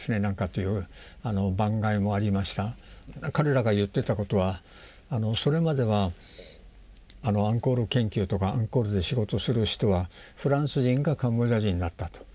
彼らが言ってたことはそれまではアンコール研究とかアンコールで仕事をする人はフランス人かカンボジア人だったと。